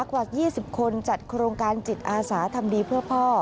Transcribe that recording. กว่า๒๐คนจัดโครงการจิตอาสาทำดีเพื่อพ่อ